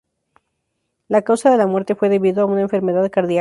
La causa de la muerte fue debido a una enfermedad cardíaca.